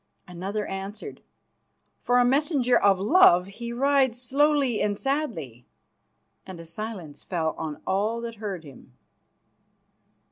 Another answered: "For a messenger of love he rides slowly and sadly." And a silence fell on all that heard him.